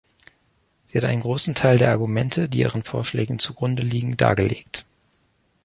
Sie hat einen großen Teil der Argumente, die ihren Vorschlägen zugrundeliegen, dargelegt.